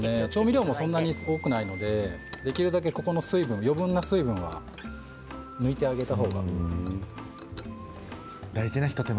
調味料がそんなに多くないのでできるだけ余分な水分は抜いてあげたほうが。